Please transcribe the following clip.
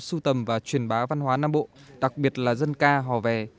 su tầm và truyền bá văn hóa nam bộ đặc biệt là dân ca hò vé